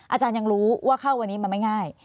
อาจารย์ยังรู้ว่าเข้าและกันไม่ง่าย